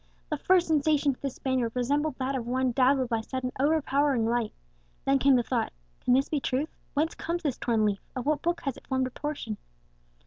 The first sensation to the Spaniard resembled that of one dazzled by sudden overpowering light. Then came the thought, "Can this be truth? Whence comes this torn leaf; of what book has it formed a portion?"